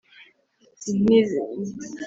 ntirizazime na rimwe natwe